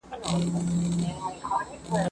زه اوس سندري اورم؟